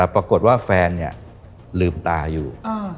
ปรากฏว่าแฟนลืมตาอยู่